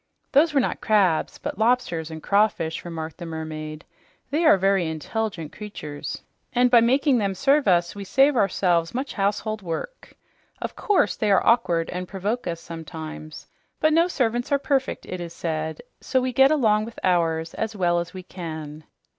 "Those were not crabs, but lobsters and crawfish," remarked the mermaid. "They are very intelligent creatures, and by making them serve us we save ourselves much household work. Of course, they are awkward and provoke us sometimes, but no servants are perfect, it is said, so we get along with ours as well as we can."